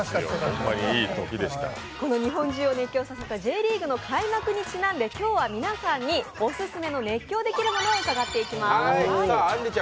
この日本中を熱狂させたＪリーグの開幕にちなんで、今日は皆さんにオススメの熱狂できるものを伺っていきます。